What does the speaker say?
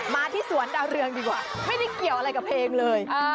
มาที่สวนดาวเรืองดีกว่าไม่ได้เกี่ยวอะไรกับเพลงเลย